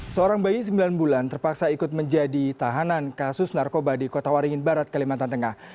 seorang bayi sembilan bulan terpaksa ikut menjadi tahanan kasus narkoba di kota waringin barat kalimantan tengah